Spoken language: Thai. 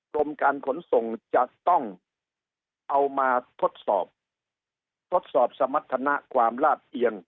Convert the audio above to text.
กรมการขนส่งจะต้องเอามาทดสอบทดสอบสมรรถนะความลาดเอียง